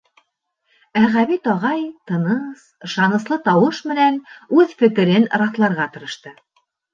Ә Ғәбит ағай тыныс, ышаныслы тауыш менән үҙ фекерен раҫларға тырышты: